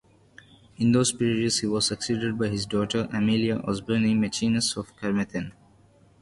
In those peerages he was succeeded by his daughter, Amelia Osborne, Marchioness of Carmarthen.